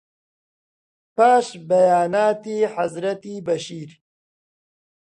پاش بەیاناتی حەزرەتی بەشیر